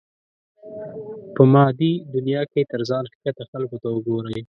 په مادي دنيا کې تر ځان ښکته خلکو ته وګورئ.